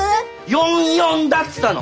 ４４だっつったの！